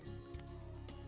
proses pembagian diaturkan